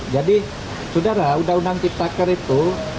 jadi sudah lah undang undang cipta kerja itu